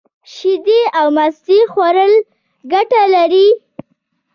شیدې او مستې خوړل گټه لري.